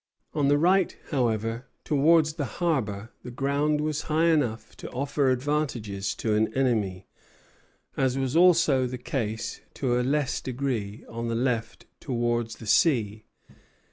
On the right, however, towards the harbor, the ground was high enough to offer advantages to an enemy, as was also the case, to a less degree, on the left, towards the sea.